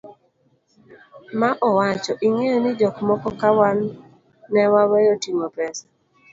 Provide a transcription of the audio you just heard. ma owacho, ing'eyo ni jok moko ka wan ne waweyo ting'o pesa